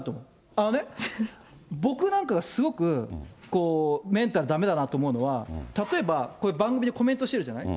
あのね、僕なんかがすごくこう、メンタルだめだなと思うのは、例えば、こういう番組でコメントしてるじゃない。